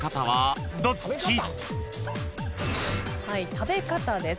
食べ方です。